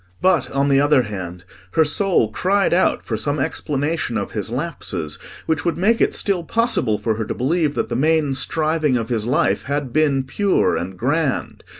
But, on the other hand, her soul cried out for some explanation of his lapses which would make it still possible for her to believe that the main striving of his life had been pure and grand.